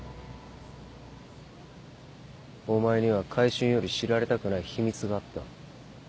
お前には買春より知られたくない秘密があった。